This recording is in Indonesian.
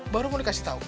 baru mau dikasih tau